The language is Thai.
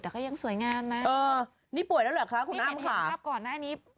แต่ก็ยังสวยงามน่ะ